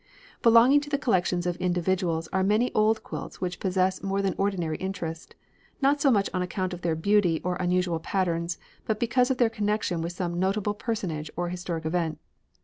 Belonging to the collections of individuals are many old quilts which possess more than ordinary interest, not so much on account of their beauty or unusual patterns, but because of their connection with some notable personage or historic event.